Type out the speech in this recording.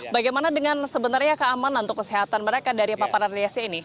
bagaimana dengan sebenarnya keamanan untuk kesehatan mereka dari paparan reac ini